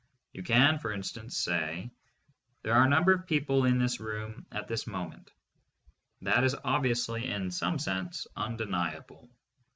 You can, for instance, say: "There are a number of people in this room at this moment." That is obviously in some sense undeniable.